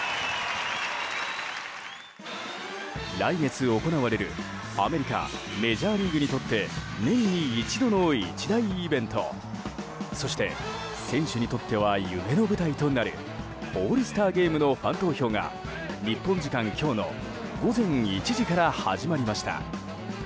来月行われるアメリカメジャーリーグにとって年に一度の一大イベントそして選手にとっては夢の舞台となるオールスターゲームのファン投票が日本時間今日の午前１時から始まりました。